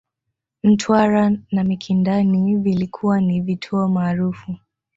Mtwara na Mikindani vilikuwa ni vituo maarufu